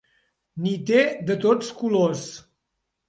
N'hi té de tots colors.